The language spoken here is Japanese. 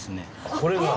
これが？